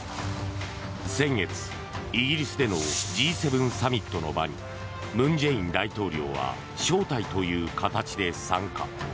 先月、イギリスでのＧ７サミットの場に文在寅大統領は招待という形で参加。